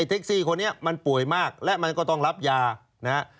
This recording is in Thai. เท็กซี่คนนี้มันป่วยมากและมันก็ต้องรับยานะฮะ